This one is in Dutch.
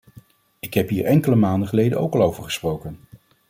Ik heb hier enkele maanden geleden ook al over gesproken.